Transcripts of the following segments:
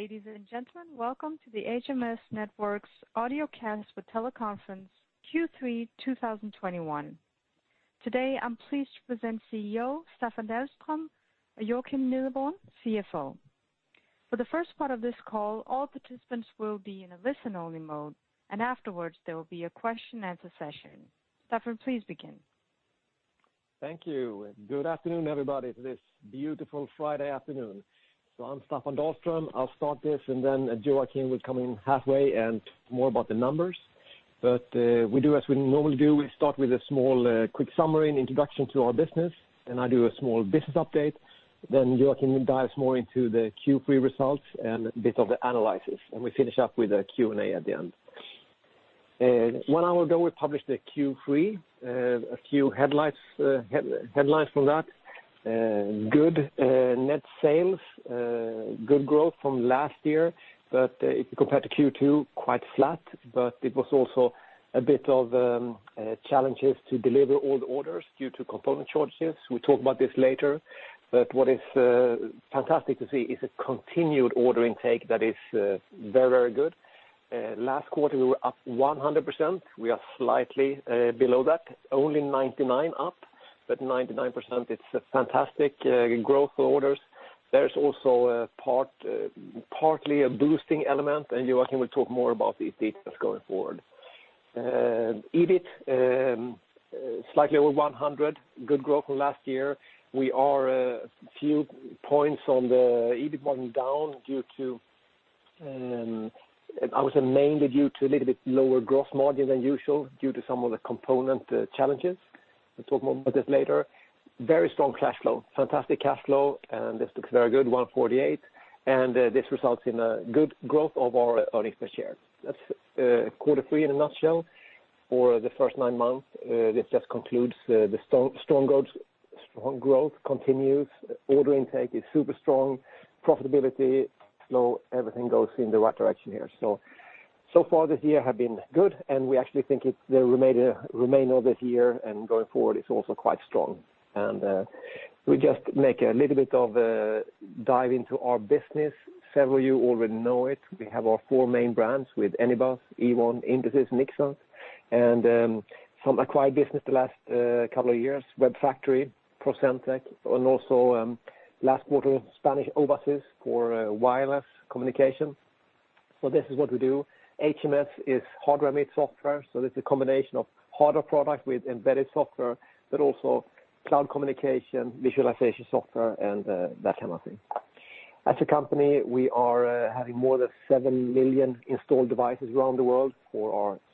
Ladies and gentlemen, welcome to the HMS Networks' audio cast for teleconference Q3 2021. Today, I'm pleased to present CEO Staffan Dahlström, Joakim Nideborn, CFO. For the first part of this call, all participants will be in a listen-only mode, and afterwards, there will be a question-and-answer session. Staffan, please begin. Thank you. Good afternoon, everybody, this beautiful Friday afternoon. I'm Staffan Dahlström. I'll start this and then Joakim will come in halfway and more about the numbers but we do as we normally do. We start with a small, quick summary and introduction to our business, then I do a small business update then Joakim dives more into the Q3 results and a bit of the analysis. We finish up with a Q&A at the end. One hour ago, we published the Q3. A few headlines from that. Good net sales, good growth from last year, but compared to Q2, quite flat, but it was also a bit of challenges to deliver old orders due to component shortages. We'll talk about this later. What is fantastic to see is a continued order intake that is very good. Last quarter, we were up 100%. We are slightly below that, only 99% up, but 99% is a fantastic growth orders. There's also partly a boosting element. Joakim will talk more about these details going forward. EBIT, slightly over 100%. Good growth from last year. We are a few points on the EBIT margin down, I would say, mainly due to a little bit lower gross margin than usual due to some of the component challenges. We'll talk more about this later. Very strong cash flow, fantastic cash flow and this looks very good, 148. This results in a good growth of our earnings per share. That's quarter three in a nutshell. For the first nine months, this just concludes the strong growth continues. Order intake is super strong. Profitability, cash flow, everything goes in the right direction here. So far this year have been good, and we actually think the remainder of this year and going forward is also quite strong and we just make a little bit of a dive into our business. Several of you already know it. We have our four main brands with Anybus, Ewon, Intesis, Ixxat. Some acquired business the last couple of years, WEBfactory, Procentec, and also last quarter, Spanish Owasys for wireless communication. This is what we do. HMS is hardware made software, so this is a combination of hardware product with embedded software, but also cloud communication, visualization software, and that kind of thing. As a company, we are having more than 7 million installed devices around the world,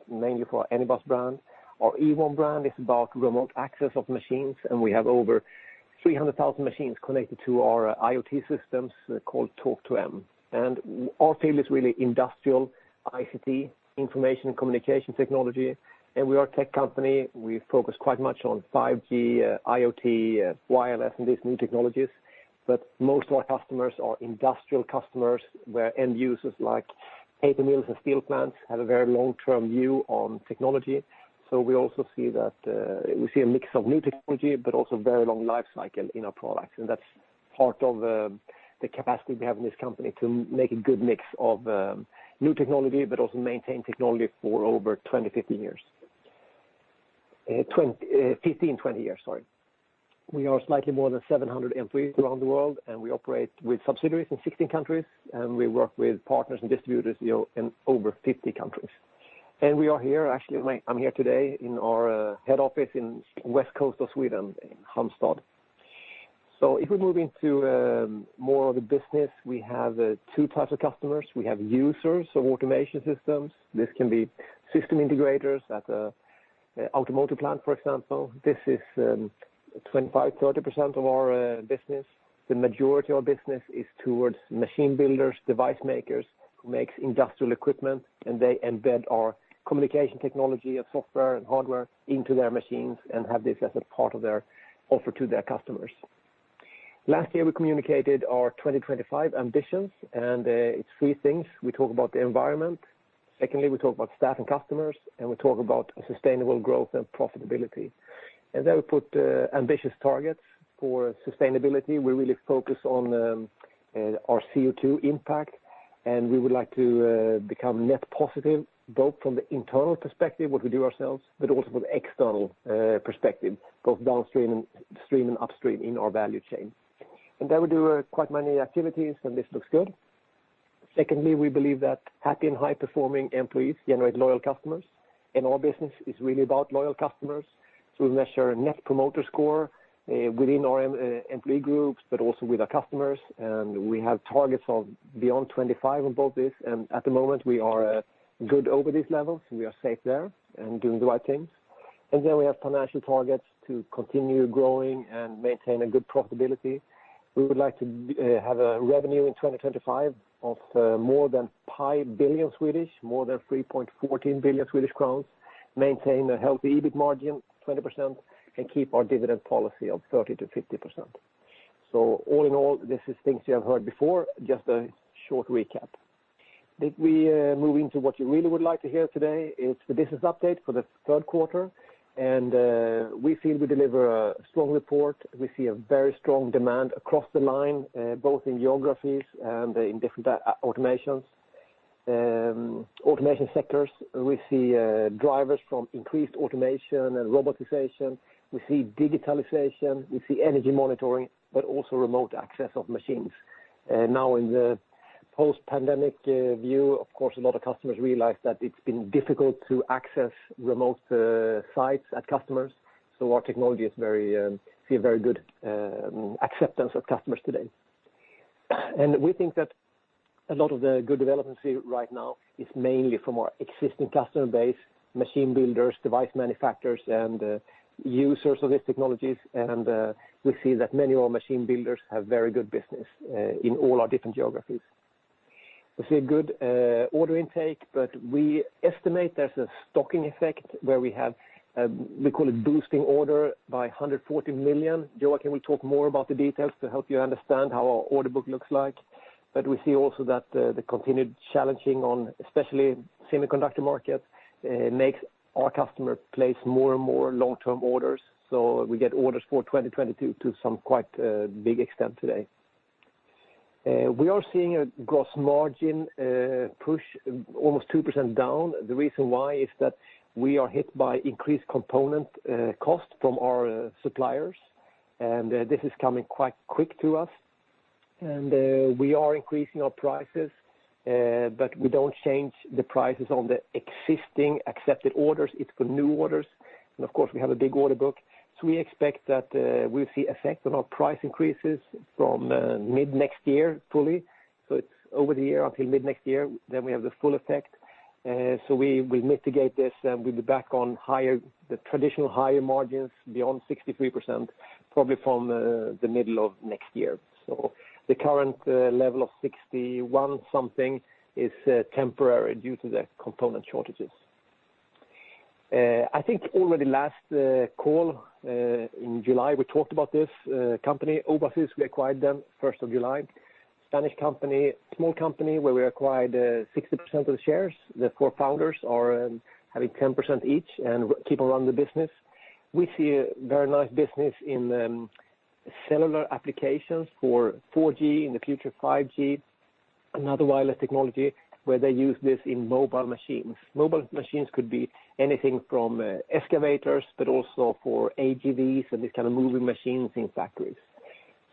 mainly for our Anybus brand. Our Ewon brand is about remote access of machines, and we have over 300,000 machines connected to our IoT systems called Talk2m. Our field is really industrial ICT, information and communication technology, and we are a tech company. We focus quite much on 5G, IoT, wireless, and these new technologies. Most of our customers are industrial customers where end users like paper mills and steel plants have a very long-term view on technology. We also see a mix of new technology, but also very long life cycle in our products. That's part of the capacity we have in this company to make a good mix of new technology, but also maintain technology for over 20, 15 years. 15, 20 years, sorry. We are slightly more than 700 employees around the world, and we operate with subsidiaries in 16 countries, and we work with partners and distributors in over 50 countries. We are here, actually, I'm here today in our head office in West Coast of Sweden in Halmstad. If we move into more of the business, we have two types of customers. We have users of automation systems. This can be system integrators at an automotive plant, for example. This is 25%, 30% of our business. The majority of business is towards machine builders, device makers who makes industrial equipment, and they embed our communication technology and software and hardware into their machines and have this as a part of their offer to their customers. Last year, we communicated our 2025 ambitions, and it's three things. We talk about the environment. Secondly, we talk about staff and customers, and we talk about sustainable growth and profitability. We put ambitious targets for sustainability. We really focus on our CO2 impact and we would like to become net positive, both from the internal perspective, what we do ourselves, but also from the external perspective, both downstream and upstream in our value chain. We do quite many activities, and this looks good. Secondly, we believe that happy and high-performing employees generate loyal customers, and our business is really about loyal customers. We measure Net Promoter Score within our employee groups, but also with our customers, and we have targets of beyond 25 above this. At the moment, we are good over these levels. We are safe there and doing the right things. We have financial targets to continue growing and maintain a good profitability. We would like to have a revenue in 2025 of more than 5 billion, more than 3.14 billion Swedish crowns, maintain a healthy EBIT margin, 20%, and keep our dividend policy of 30%-50%. All in all, this is things you have heard before, just a short recap. Let me move into what you really would like to hear today, it's the business update for the third quarter and we feel we deliver a strong report. We see a very strong demand across the line, both in geographies and in different automation sectors. We see drivers from increased automation and robotization. We see digitalization, we see energy monitoring, but also remote access of machines. Now in the post-pandemic view, of course, a lot of customers realize that it's been difficult to access remote sites at customers. Our technology see a very good acceptance of customers today. We think that a lot of the good development we see right now is mainly from our existing customer base, machine builders, device manufacturers, and users of these technologies. We see that many of our machine builders have very good business in all our different geographies. We see a good order intake, but we estimate there's a stocking effect where we have, we call it boosting order by 140 million. Joakim will talk more about the details to help you understand how our order book looks like. We see also that the continued challenging on especially semiconductor market, makes our customer place more and more long-term orders. We get orders for 2022 to some quite big extent today. We are seeing a gross margin push almost 2% down. The reason why is that we are hit by increased component cost from our suppliers and this is coming quite quick to us. We are increasing our prices, but we don't change the prices on the existing accepted orders, it's for new orders. Of course, we have a big order book. We expect that we'll see effect on our price increases from mid next year fully but over the year until mid next year, then we have the full effect. We mitigate this and we'll be back on the traditional higher margins beyond 63%, probably from the middle of next year. The current level of 61%-something is temporary due to the component shortages. I think already last call, in July, we talked about this company, Owasys, we acquired them 1st of July. Spanish company, small company, where we acquired 60% of the shares. The four founders are having 10% each and keep around the business. We see a very nice business in cellular applications for 4G, in the future 5G, and other wireless technology where they use this in mobile machines. Mobile machines could be anything from excavators, but also for AGVs and these kind of moving machines in factories.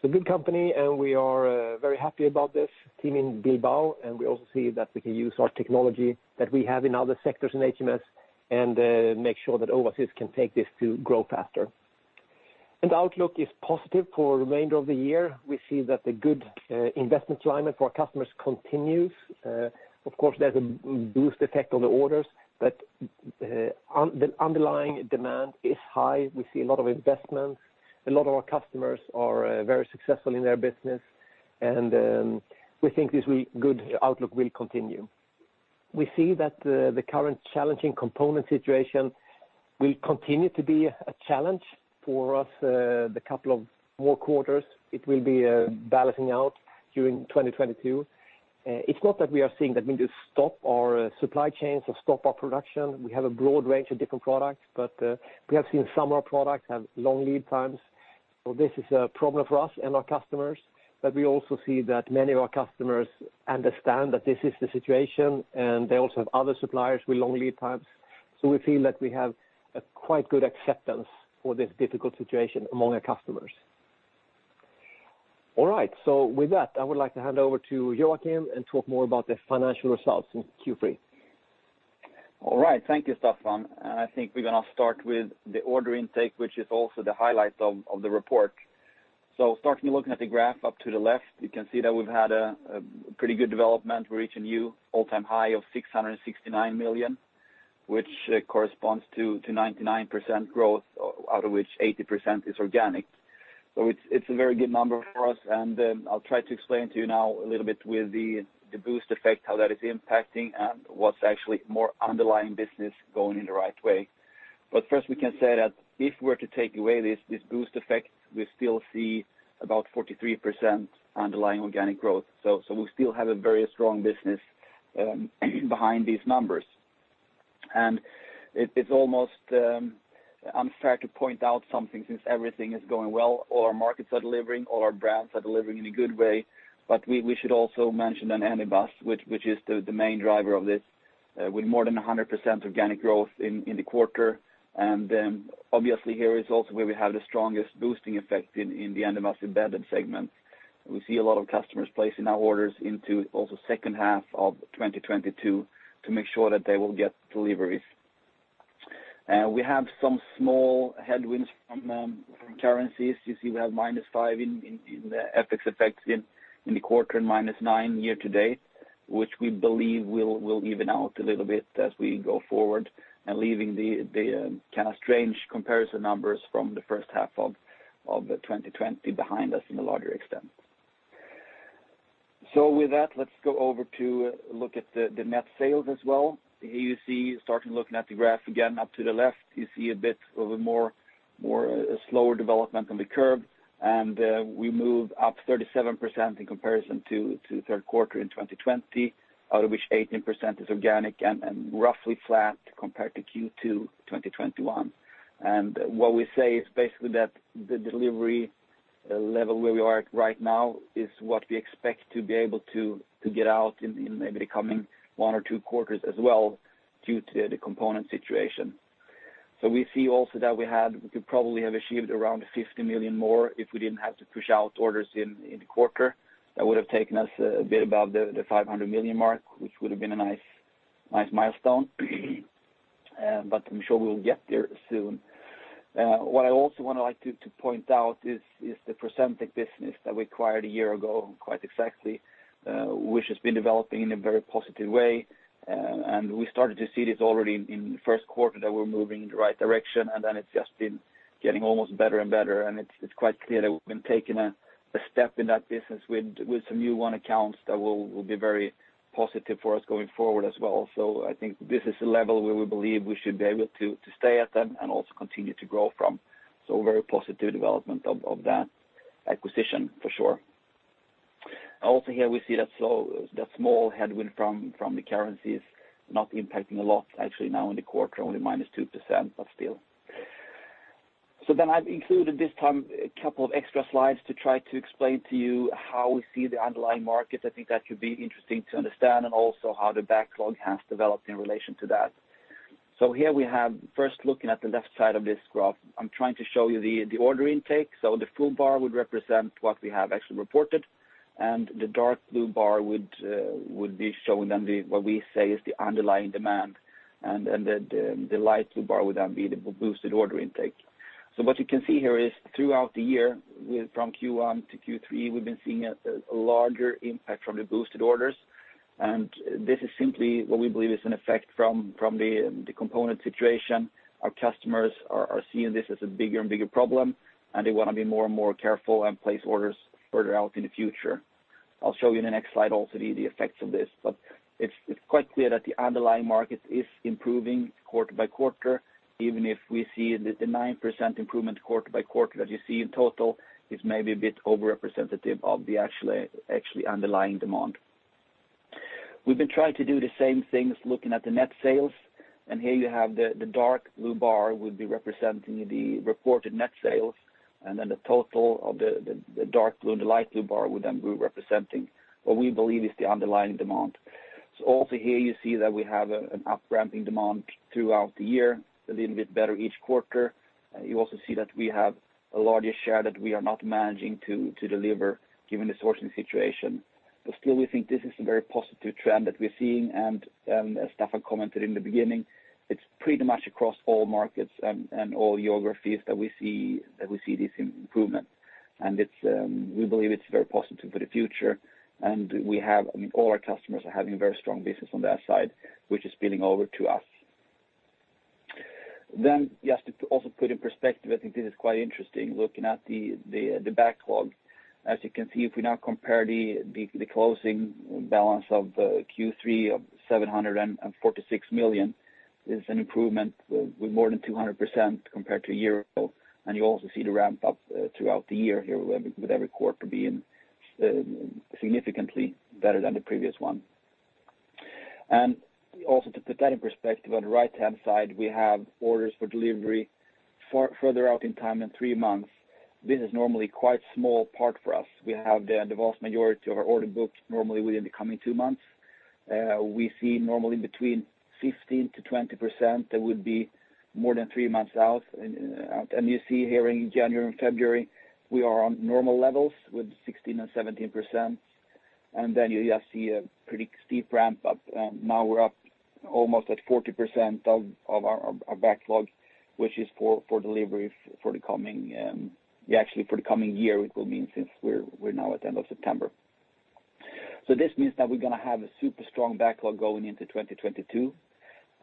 It's a good company and we are very happy about this team in Bilbao, and we also see that we can use our technology that we have in other sectors in HMS and make sure that Owasys can take this to grow faster. The outlook is positive for the remainder of the year. We see that the good investment climate for our customers continues. Of course, there's a boost effect on the orders, but the underlying demand is high. We see a lot of investments. A lot of our customers are very successful in their business, and we think this good outlook will continue. We see that the current challenging component situation will continue to be a challenge for us the couple of more quarters. It will be balancing out during 2022. It's not that we are seeing that we need to stop our supply chains or stop our production and we have a broad range of different products, but we have seen some of our products have long lead times. This is a problem for us and our customers, but we also see that many of our customers understand that this is the situation, and they also have other suppliers with long lead times. We feel that we have a quite good acceptance for this difficult situation among our customers. All right. With that, I would like to hand over to Joakim and talk more about the financial results in Q3. All right. Thank you, Staffan. I think we're going to start with the order intake, which is also the highlight of the report. Starting looking at the graph up to the left, you can see that we've had a pretty good development. We're reaching new all-time high of 669 million, which corresponds to 99% growth, out of which 80% is organic. It's a very good number for us, and I'll try to explain to you now a little bit with the boost effect, how that is impacting and what's actually more underlying business going in the right way. First, we can say that if we're to take away this boost effect, we still see about 43% underlying organic growth. We still have a very strong business behind these numbers. It's almost unfair to point out something since everything is going well. All our markets are delivering, all our brands are delivering in a good way. We should also mention Anybus, which is the main driver of this, with more than 100% organic growth in the quarter and then obviously here is also where we have the strongest boosting effect in the Anybus Embedded segment. We see a lot of customers placing our orders into also second half of 2022 to make sure that they will get deliveries. We have some small headwinds from currencies. You see we have -5 in FX effects in the quarter and nine year-to-date, which we believe will even out a little bit as we go forward, and leaving the strange comparison numbers from the first half of 2020 behind us in a larger extent. With that, let's go over to look at the net sales as well. Here you see starting looking at the graph again up to the left, you see a bit of a more a slower development than the curve. We moved up 37% in comparison to third quarter in 2020, out of which 18% is organic and roughly flat compared to Q2 2021. What we say is basically that the delivery level where we are at right now is what we expect to be able to get out in maybe the coming one or two quarters as well due to the component situation. We see also that we could probably have achieved around 50 million more if we didn't have to push out orders in the quarter. That would've taken us a bit above the 500 million mark, which would've been a nice milestone. I'm sure we'll get there soon. What I also want to point out is the Procentec business that we acquired a year ago quite exactly, which has been developing in a very positive way. We started to see this already in the first quarter that we're moving in the right direction, then it's just been getting almost better and better. It's quite clear that we've been taking a step in that business with some new won accounts that will be very positive for us going forward as well. I think this is a level where we believe we should be able to stay at them and also continue to grow from so very positive development of that acquisition for sure. Also here we see that small headwind from the currencies not impacting a lot, actually now in the quarter, only-2%, but still. I've included this time, a couple of extra slides to try to explain to you how we see the underlying markets. I think that should be interesting to understand and also how the backlog has developed in relation to that. Here we have first looking at the left side of this graph, I'm trying to show you the order intake. The full bar would represent what we have actually reported, and the dark blue bar would be showing then what we say is the underlying demand, and then the light blue bar would then be the boosted order intake. What you can see here is throughout the year from Q1 to Q3, we've been seeing a larger impact from the boosted orders, and this is simply what we believe is an effect from the component situation. Our customers are seeing this as a bigger and bigger problem, and they want to be more and more careful and place orders further out in the future. I'll show you in the next slide also the effects of this, but it's quite clear that the underlying market is improving quarter-by-quarter, even if we see the 9% improvement quarter-by-quarter that you see in total is maybe a bit over-representative of the actually underlying demand. We've been trying to do the same things looking at the net sales, and here you have the dark blue bar would be representing the reported net sales, and then the total of the dark blue and the light blue bar would then be representing what we believe is the underlying demand. Also here you see that we have an up-ramping demand throughout the year, a little bit better each quarter. You also see that we have a larger share that we are not managing to deliver given the sourcing situation. Still, we think this is a very positive trend that we're seeing and, as Staffan commented in the beginning, it's pretty much across all markets and all geographies that we see this improvement. We believe it's very positive for the future, and all our customers are having a very strong business on their side, which is spilling over to us. Just to also put in perspective, I think this is quite interesting looking at the backlog. As you can see, if we now compare the closing balance of Q3 of 746 million is an improvement with more than 200% compared to a year ago. You also see the ramp up throughout the year here with every quarter being significantly better than the previous one. Also to put that in perspective, on the right-hand side, we have orders for delivery further out in time than three months. This is normally quite small part for us. We have the vast majority of our order booked normally within the coming two months. We see normally between 15%-20%, that would be more than three months out. You see here in January and February, we are on normal levels with 16% and 17%, you just see a pretty steep ramp up. Now we're up almost at 40% of our backlog, which is for delivery for the coming year, since we're now at the end of September. This means that we're going to have a super strong backlog going into 2022.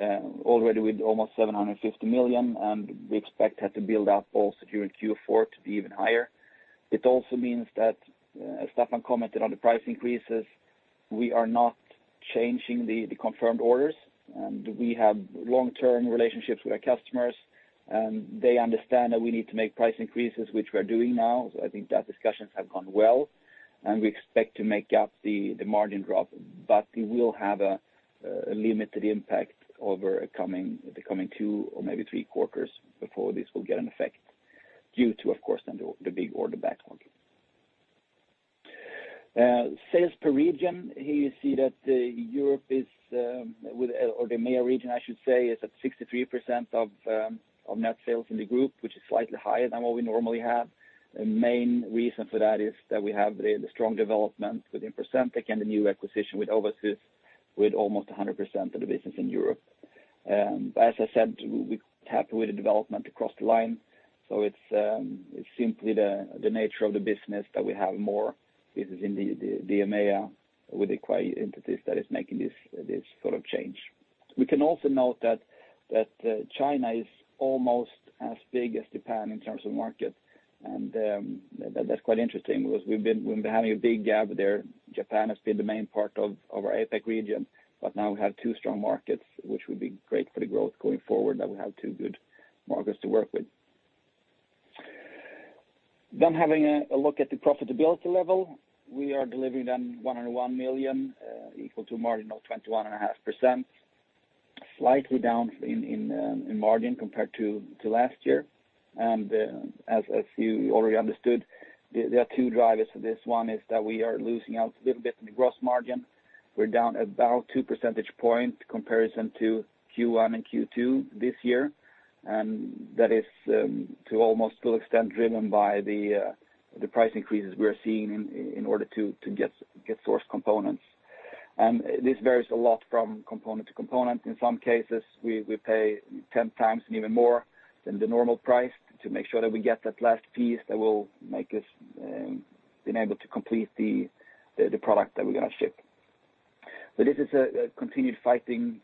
Already with almost 750 million, we expect that to build up also during Q4 to be even higher. It also means that Staffan commented on the price increases. We are not changing the confirmed orders, and we have long-term relationships with our customers, and they understand that we need to make price increases, which we are doing now. I think that discussions have gone well, and we expect to make up the margin drop. It will have a limited impact over the coming two or maybe three quarters before this will get an effect due to, of course, then the big order backlog. Sales per region. Here you see that Europe is, or the EMEA region, I should say, is at 63% of net sales in the group, which is slightly higher than what we normally have. The main reason for that is that we have the strong development within Procentec and the new acquisition with Owasys with almost 100% of the business in Europe. As I said, we're happy with the development across the line. It's simply the nature of the business that we have more business in the EMEA with the acquired entities that is making this sort of change. We can also note that China is almost as big as Japan in terms of market. That's quite interesting because we've been having a big gap there. Japan has been the main part of our APAC region. Now we have two strong markets, which will be great for the growth going forward that we have two good markets to work with. Having a look at the profitability level, we are delivering 101 million, equal to a margin of 21.5%. Slightly down in margin compared to last year. As you already understood, there are two drivers for this. One is that we are losing out a little bit in the gross margin. We're down about 2 percentage point comparison to Q1 and Q2 this year and that is to almost to an extent driven by the price increases we're seeing in order to get source components. This varies a lot from component to component. In some cases, we pay 10x and even more than the normal price to make sure that we get that last piece that will make us being able to complete the product that we're going to ship. This is a continued fighting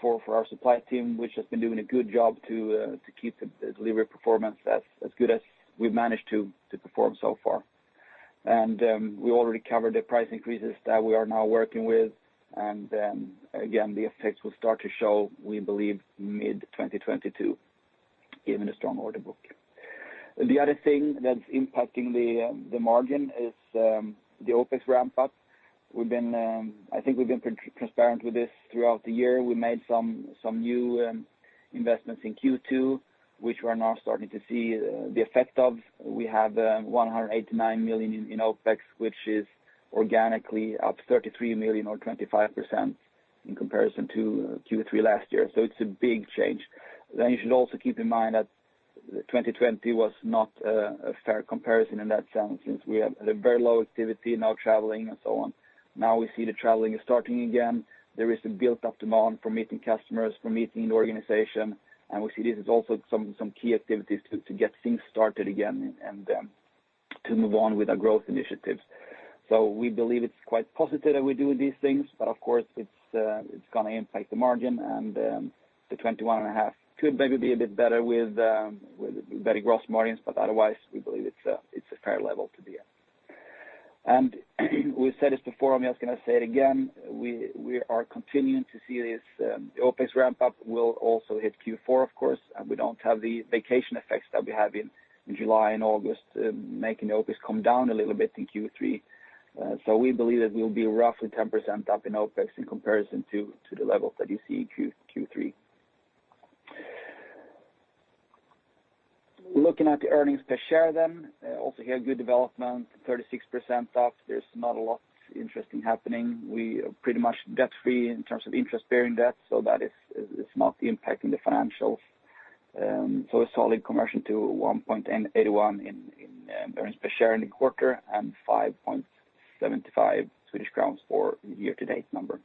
for our supply team, which has been doing a good job to keep the delivery performance as good as we've managed to perform so far and we already covered the price increases that we are now working with then again, the effects will start to show, we believe mid-2022, given the strong order book. The other thing that's impacting the margin is the OpEx ramp-up. I think we've been transparent with this throughout the year. We made some new investments in Q2, which we are now starting to see the effect of. We have 189 million in OpEx, which is organically up 33 million or 25% in comparison to Q3 last year, so It's a big change. Then you should also keep in mind that 2020 was not a fair comparison in that sense, since we had a very low activity, no traveling and so on. Now we see the traveling is starting again. There is a built-up demand for meeting customers, for meeting the organization, we see this is also some key activities to get things started again and to move on with our growth initiatives. We believe it's quite positive that we're doing these things. Of course it's going to impact the margin, the 21.5% could maybe be a bit better with better gross margins. Otherwise, we believe it's a fair level to be at. We said it before, I'm just going to say it again. We are continuing to see this OpEx ramp-up will also hit Q4 of course. We don't have the vacation effects that we have in July and August, making the OpEx come down a little bit in Q3 and so we believe that we'll be roughly 10% up in OpEx in comparison to the levels that you see in Q3. Looking at the earnings per share, also here good development, 36% up. There's not a lot interesting happening. We are pretty much debt-free in terms of interest-bearing debt. That is smartly impacting the financials. A solid conversion to 1.81 in earnings per share in the quarter, and 5.75 Swedish crowns for year-to-date number.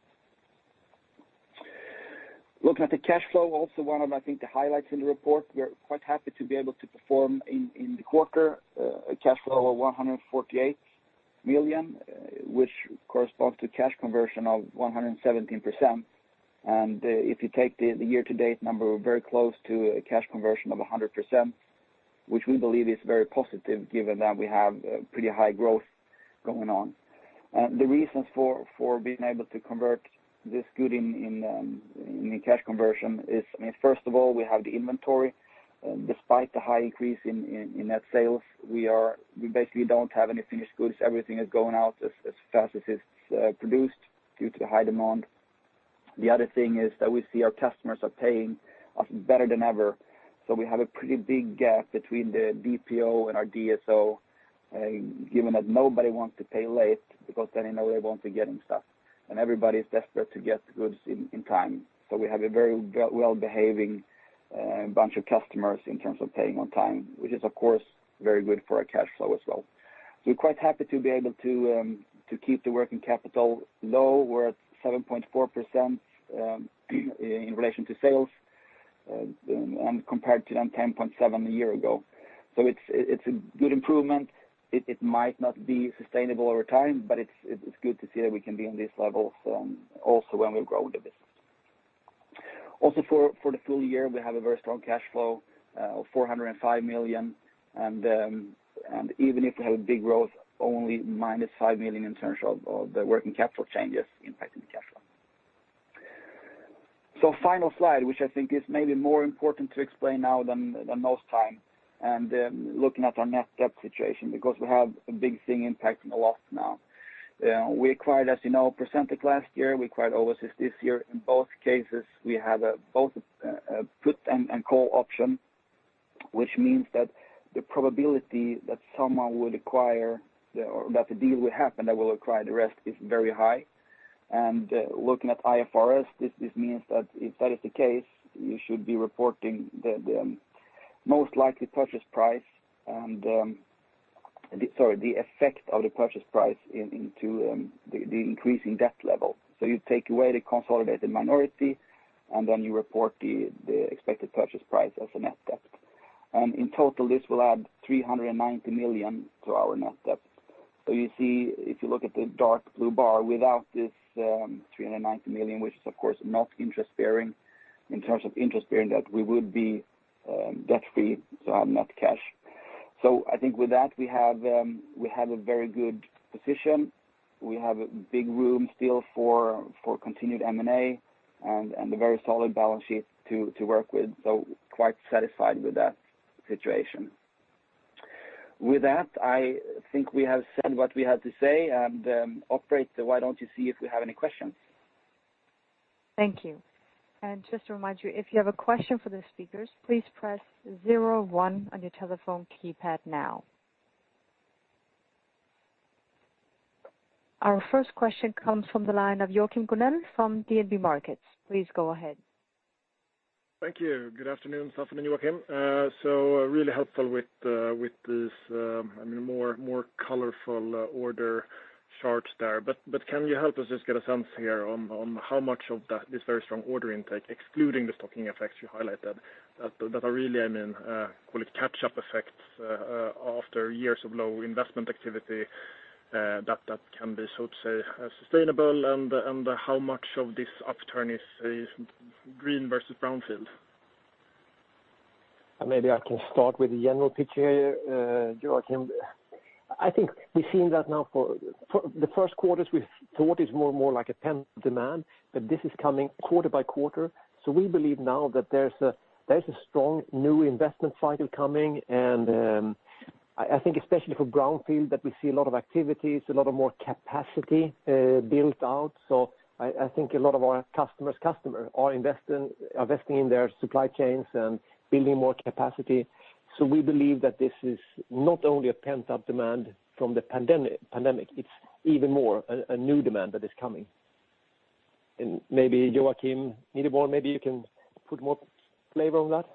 Looking at the cash flow, also one of, I think, the highlights in the report. We're quite happy to be able to perform in the quarter a cash flow of 148 million, which corresponds to cash conversion of 117%. If you take the year-to-date number, we're very close to a cash conversion of 100%, which we believe is very positive given that we have pretty high growth going on. The reasons for being able to convert this good in cash conversion is, first of all, we have the inventory. Despite the high increase in net sales, we basically don't have any finished goods. Everything is going out as fast as it's produced due to the high demand. The other thing is that we see our customers are paying us better than ever so we have a pretty big gap between the DPO and our DSO, given that nobody wants to pay late, because then they know they won't be getting stuff, and everybody's desperate to get goods in time. We have a very well-behaving bunch of customers in terms of paying on time, which is of course very good for our cash flow as well. We're quite happy to be able to keep the working capital low. We're at 7.4% in relation to sales, and compared to then 10.7% a year ago. It's a good improvement. It might not be sustainable over time, it's good to see that we can be on this level also when we grow the business. Also for the full year, we have a very strong cash flow of 405 million, even if we have big growth, only -5 million in terms of the working capital changes impacting the cash flow. Final slide, which I think is maybe more important to explain now than most time, and looking at our net debt situation, we have a big thing impacting a lot now. We acquired, as you know, Procentec last year. We acquired Owasys this year. In both cases, we have both a put and call option, which means that the probability that someone will acquire or that the deal will happen, that we'll acquire the rest is very high. Looking at IFRS, this means that if that is the case, you should be reporting the most likely purchase price and the sorry, the effect of the purchase price into the increasing debt level. You take away the consolidated minority, and then you report the expected purchase price as a net debt. In total, this will add 390 million to our net debt. You see, if you look at the dark blue bar without this 390 million, which is of course not interest-bearing, in terms of interest-bearing debt, we would be debt-free to have net cash. I think with that, we have a very good position. We have a big room still for continued M&A and a very solid balance sheet to work with. Quite satisfied with that situation. With that, I think we have said what we had to say, and operator, why don't you see if we have any questions? Thank you. Just to remind you, if you have a question for the speakers, please press zero one on your telephone keypad now. Our first question comes from the line of Joachim Gunell from DNB Markets. Please go ahead. Thank you. Good afternoon, Staffan and Joakim. Really helpful with this more colorful order chart there. Can you help us just get a sense here on how much of this very strong order intake, excluding the stocking effects you highlighted, that are really, call it catch-up effects after years of low investment activity, that can be, so to say, sustainable and how much of this upturn is green versus brownfield? Maybe I can start with the general picture here, Joachim. I think we've seen that now for the first quarters, we thought it's more like a pent-up demand, this is coming quarter-by-quarter. We believe now that there's a strong new investment cycle coming, and I think especially for brownfield, that we see a lot of activities, a lot of more capacity built out. I think a lot of our customer's customers are investing in their supply chains and building more capacity. We believe that this is not only a pent-up demand from the pandemic, and then it's even more a new demand that is coming. Maybe Joakim, maybe you can put more flavor on that.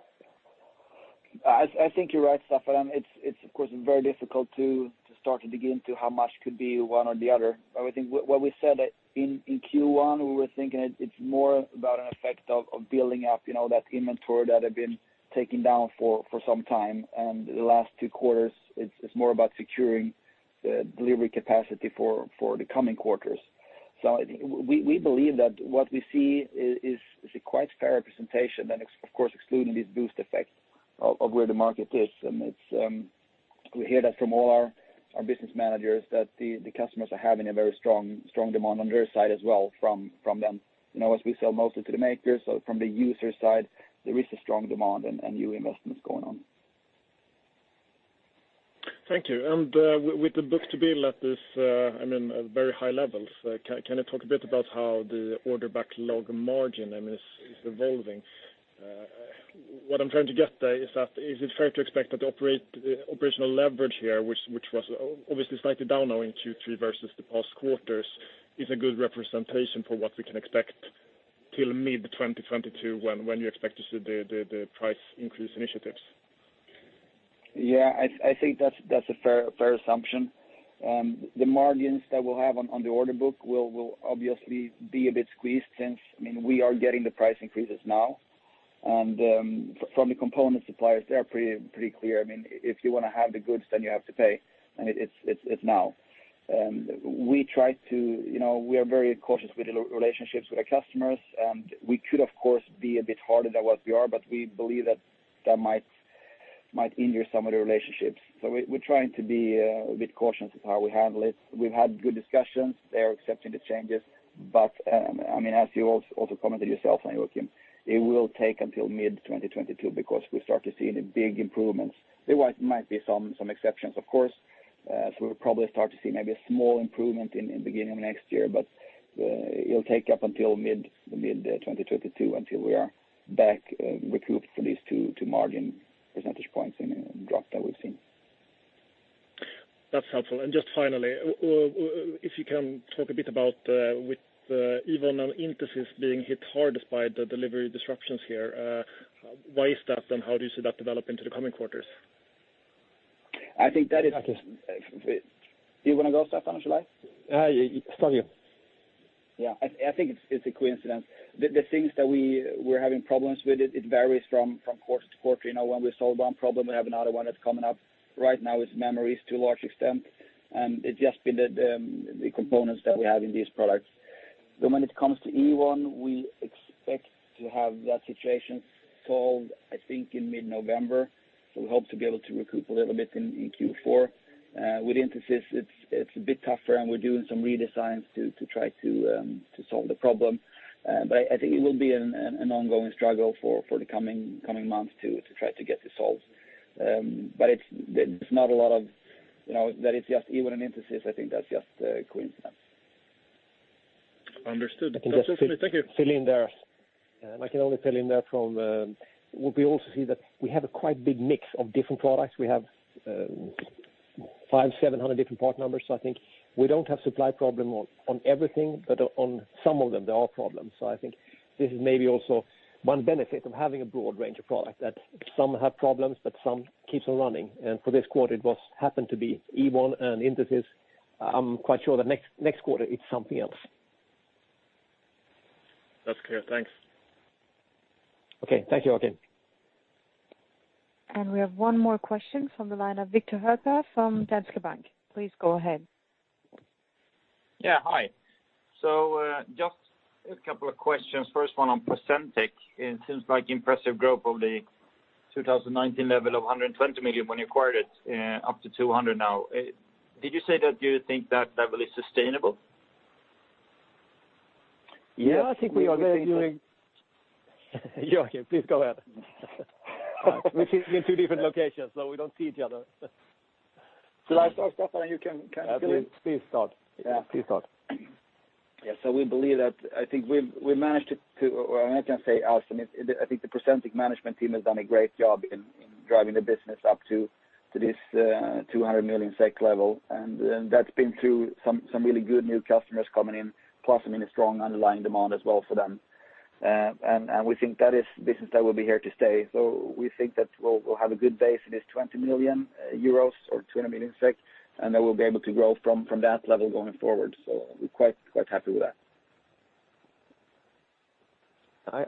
I think you're right, Staffan. It's of course, very difficult to start to dig into how much could be one or the other. I think what we said in Q1, we were thinking it's more about an effect of building up that inventory that had been taken down for some time. The last two quarters, it's more about securing the delivery capacity for the coming quarters. We believe that what we see is a quite fair representation and of course, excluding this boost effect of where the market is. We hear that from all our business managers that the customers are having a very strong demand on their side as well from them. As we sell mostly to the makers, so from the user side, there is a strong demand and new investments going on. Thank you. With the book-to-bill at this very high levels, can you talk a bit about how the order backlog margin is evolving? What I'm trying to get there is that, is it fair to expect that the operational leverage here, which was obviously slightly down now in Q3 versus the past quarters, is a good representation for what we can expect till mid-2022 when you expect to see the price increase initiatives? Yeah, I think that's a fair assumption. The margins that we'll have on the order book will obviously be a bit squeezed since we are getting the price increases now. From the component suppliers, they are pretty clear. If you want to have the goods, then you have to pay, and it's now. We are very cautious with relationships with our customers, and we could, of course, be a bit harder than what we are, but we believe that that might injure some of the relationships. We're trying to be a bit cautious with how we handle it. We've had good discussions. They're accepting the changes. As you also commented yourself, Joachim, it will take until mid-2022, because we start to see the big improvements. There might be some exceptions, of course, so we'll probably start to see maybe a small improvement in beginning of next year, but it'll take up until mid-2022 until we are back recouped for these 2 margin percentage points in drop that we've seen. Just finally, if you can talk a bit about with Ewon and Intesis being hit hard despite the delivery disruptions here, why is that and how do you see that developing to the coming quarters? I think that is- I can- Do you want to go, Staffan, or shall I? It's for you. Yeah. I think it's a coincidence. The things that we were having problems with, it varies from quarter-to-quarter. When we solve one problem, we have another one that's coming up. Right now it's memories to a large extent. It's just been the components that we have in these products. When it comes to Ewon, we expect to have that situation solved, I think, in mid-November. We hope to be able to recoup a little bit in Q4. With Intesis, it's a bit tougher, and we're doing some redesigns to try to solve the problem. I think it will be an ongoing struggle for the coming months to try to get this solved. That is just Ewon and Intesis, I think that's just a coincidence. Understood. That's helpful. Thank you. I can only fill in there from, what we also see that we have a quite big mix of different products. We have 500, 700 different part numbers. I think we don't have supply problem on everything, but on some of them there are problems. I think this is maybe also one benefit of having a broad range of products, that some have problems, but some keeps on running. For this quarter, it happened to be Ewon and Intesis. I'm quite sure that next quarter it's something else. That's clear. Thanks. Okay. Thank you, Joachim. We have one more question from the line of Viktor Högberg from Danske Bank. Please go ahead. Yeah, hi. Just a couple of questions. First one on Procentec. It seems like impressive growth of the 2019 level of 120 million when you acquired it, up to 200 million now. Did you say that you think that level is sustainable? Yeah, I think we are very- Joakim, please go ahead. We're sitting in two different locations, so we don't see each other. Shall I start, Staffan, and you can fill in? Please start. Yeah. Please start. Yeah. We believe that, I think we've managed to, or I can say us, I think the Procentec management team has done a great job in driving the business up to this 200 million SEK level and that's been through some really good new customers coming in, plus a strong underlying demand as well for them. We think that is business that will be here to stay. We think that we'll have a good base in this 20 million euros, or 200 million SEK, and then we'll be able to grow from that level going forward. We're quite happy with that.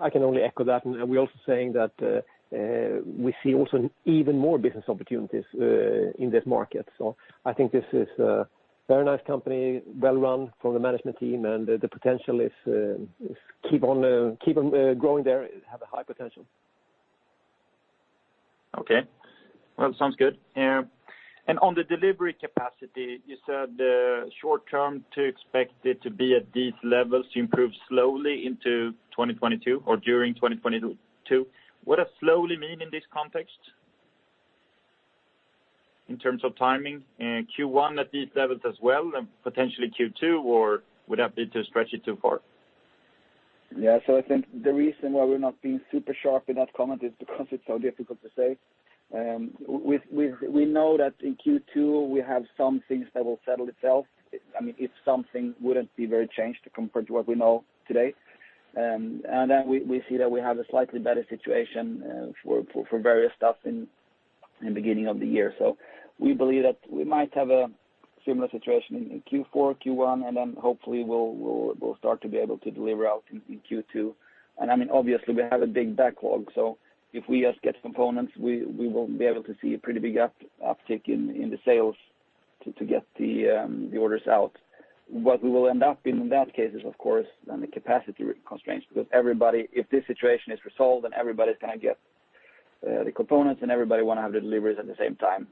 I can only echo that. We're also saying that we see also even more business opportunities in this market. I think this is a very nice company, well run from the management team. The potential is keep on growing there, have a high potential. Okay. Well, sounds good. On the delivery capacity, you said short term to expect it to be at these levels, to improve slowly into 2022 or during 2022. What does slowly mean in this context, in terms of timing? In Q1 at these levels as well, and potentially Q2, or would that be to stretch it too far? I think the reason why we're not being super sharp in that comment is because it's so difficult to say. We know that in Q2 we have some things that will settle itself. If something wouldn't be very changed compared to what we know today and then we see that we have a slightly better situation for various stuff in the beginning of the year. We believe that we might have a similar situation in Q4, Q1, and then hopefully we'll start to be able to deliver out in Q2. Obviously we have a big backlog, so if we just get components, we will be able to see a pretty big uptick in the sales to get the orders out. What we will end up in that case is of course, then the capacity constraints, because if this situation is resolved, then everybody's going to get the components, and everybody want to have the deliveries at the same time.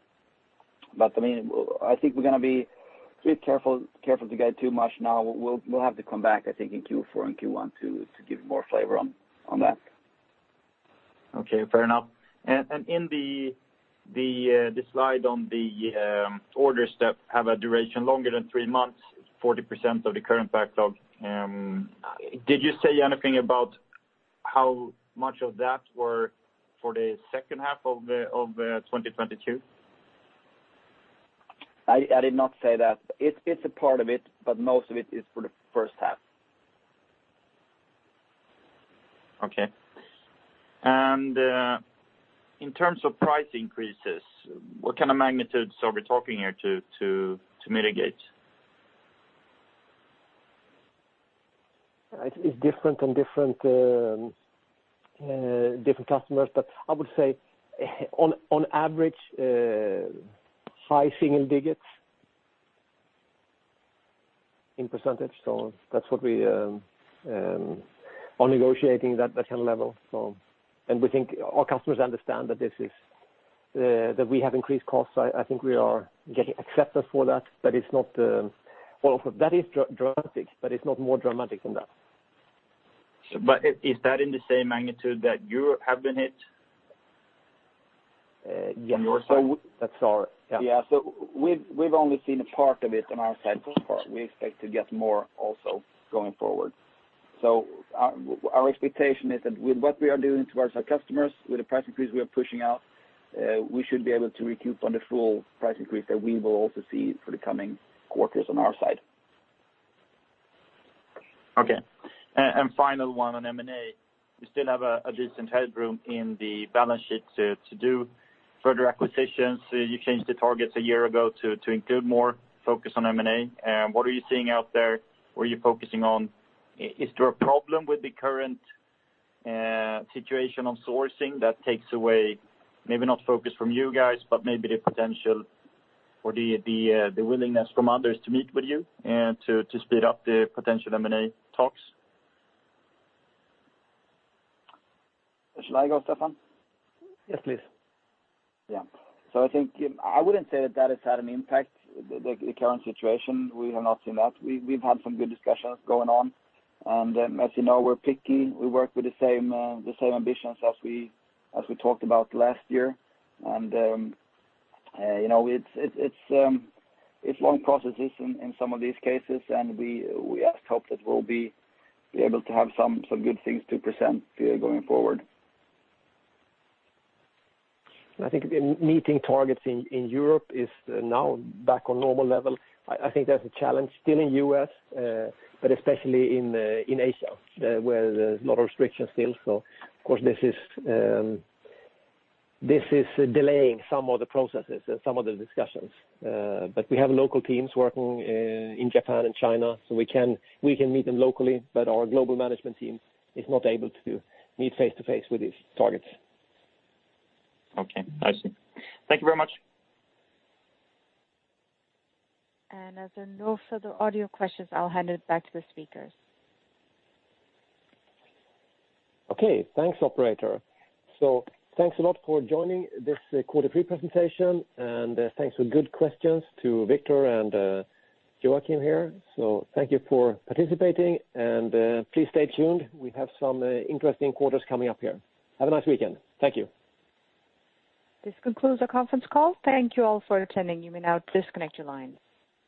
I think we're going to be a bit careful to guide too much now. We'll have to come back, I think, in Q4 and Q1 to give more flavor on that. Okay. Fair enough. In the slide on the orders that have a duration longer than three months, 40% of the current backlog, did you say anything about how much of that were for the second half of 2022? I did not say that. It's a part of it, but most of it is for the first half. Okay. In terms of price increases, what kind of magnitudes are we talking here to mitigate? It's different on different customers, but I would say on average high single digits in percentage. That's what we are negotiating, that kind of level. We think our customers understand that we have increased costs. I think we are getting acceptance for that. That is drastic, but it's not more dramatic than that. Is that in the same magnitude that you have been hit? Yeah. On your side? That's- yeah. Yeah. We've only seen a part of it on our side so far. We expect to get more also going forward. Our expectation is that with what we are doing towards our customers, with the price increase we are pushing out, we should be able to recoup on the full price increase that we will also see for the coming quarters on our side. Okay. Final one on M&A. You still have a decent headroom in the balance sheet to do further acquisitions. You changed the targets a year ago to include more focus on M&A. What are you seeing out there? What are you focusing on? Is there a problem with the current situation on sourcing that takes away, maybe not focus from you guys, but maybe the potential for the willingness from others to meet with you, to speed up the potential M&A talks? Shall I go, Staffan? Yes, please. Yeah. I think I wouldn't say that has had an impact, the current situation, we have not seen that. We've had some good discussions going on. As you know, we're picky. We work with the same ambitions as we talked about last year. It's long processes in some of these cases, and we just hope that we'll be able to have some good things to present here going forward. I think meeting targets in Europe is now back on normal level. I think there's a challenge still in U.S., but especially in Asia, where there's a lot of restrictions still. Of course this is delaying some of the processes and some of the discussions. We have local teams working in Japan and China, so we can meet them locally, but our global management team is not able to meet face-to-face with these targets. Okay. I see. Thank you very much. As there are no further audio questions, I'll hand it back to the speakers. Okay. Thanks, operator. Thanks a lot for joining this quarter three presentation, and thanks for good questions to Viktor and Joakim here, so thank you for participating, and please stay tuned. We have some interesting quarters coming up here. Have a nice weekend. Thank you. This concludes our conference call. Thank you all for attending. You may now disconnect your lines.